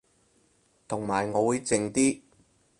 同埋我會靜啲